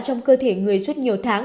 trong cơ thể người suốt nhiều tháng